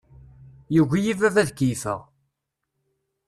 Yugi-iyi baba ad keyyefeɣ.